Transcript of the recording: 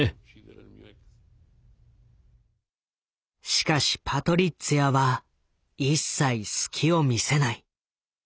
しかしパトリッツィアは一切隙を見せない。